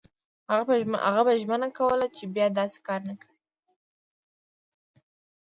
هغه به ژمنه کوله چې بیا داسې کار نه کوي.